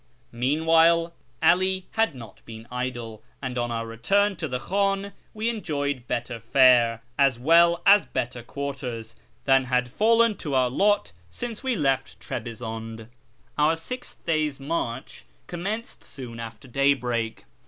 Meanwhile 'All had not been idle, and on our return to the hhdn we enjoyed better fare, as well as better quarters, than had fallen to our lot since we left Trebizoude. Our sixth day's march commenced soon after daybreak.